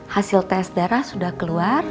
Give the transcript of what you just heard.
hasil tes darah sudah keluar